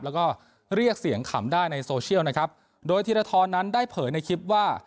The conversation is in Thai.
แล้วก็เรียกเสียงขำได้ในโซเชียลนะครับโดยธีรทรนั้นได้เผยในคลิปว่า